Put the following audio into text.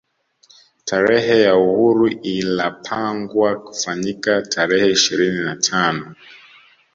Tarehe ya uhuru ilapangwa kufanyika tarehe ishirini na tano